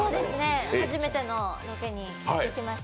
初めてのロケに行ってきました